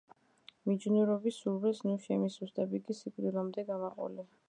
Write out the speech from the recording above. მიჯნურობის სურვილს ნუ შემისუსტებ, იგი სიკვდილამდე გამაყოლე.